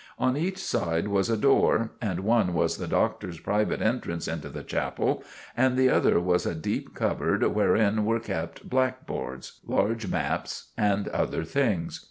On each side was a door, and one was the Doctor's private entrance into the chapel, and the other was a deep cupboard wherein were kept blackboards, large maps and other things.